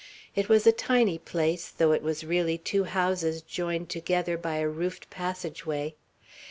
It was a tiny place, though it was really two houses joined together by a roofed passage way.